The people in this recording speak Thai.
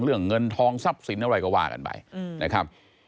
เงินทองทรัพย์สินอะไรก็ว่ากันไปนะครับ